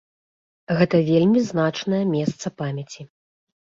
Гэта вельмі значнае месца памяці.